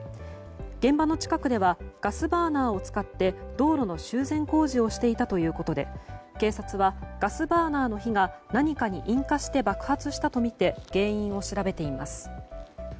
現場の近くではガスバーナーを使って道路の修繕工事をしていたということで警察は、ガスバーナーの火が何かに引火して爆発したとみて原因を調べています。